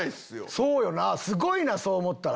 そうよなすごいなそう思ったら。